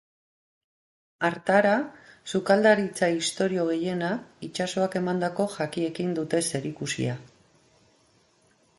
Hartara, sukaldaritza istorio gehienak itsasoak emandako jakiekin dute zerikusia.